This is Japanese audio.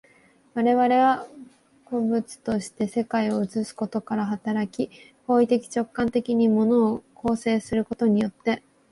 我々は個物として世界を映すことから働き、行為的直観的に物を構成することによって、